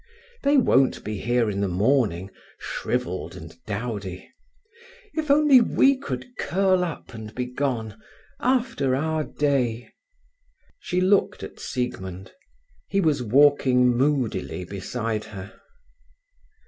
They won't be here in the morning, shrivelled and dowdy … If only we could curl up and be gone, after our day…." She looked at Siegmund. He was walking moodily beside her.